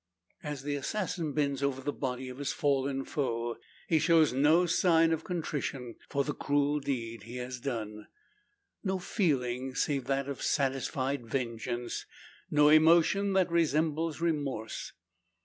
As the assassin bends over the body of his fallen foe, he shows no sign of contrition, for the cruel deed he has done. No feeling save that of satisfied vengeance; no emotion that resembles remorse.